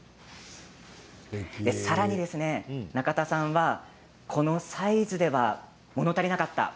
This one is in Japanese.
さらにですね、仲田さんはこのサイズではもの足りなかった。